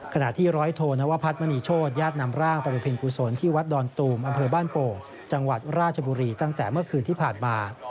ขณะที่ร้อยโทนวพัฒนมณีโชธญาตินำร่างไปประเพ็ญกุศลที่วัดดอนตูมอำเภอบ้านโป่งจังหวัดราชบุรีตั้งแต่เมื่อคืนที่ผ่านมา